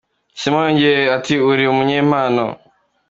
" Simon yongeyeho ati "Uri umunyempano.